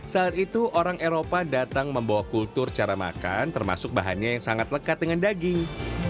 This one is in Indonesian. saat itu orang eropa datang membawa kultur cara makan termasuk bahannya yang sangat lekat dengan daging